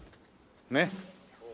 ねっ。